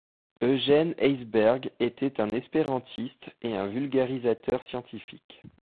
Eugène Aisberg était un espérantiste et un vulgarisateur scientifique.